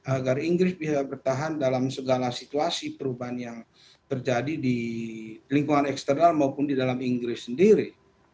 agar inggris bisa bertahan dalam segala situasi perubahan yang terjadi di lingkungan eksternal maupun di dalam inggris sendiri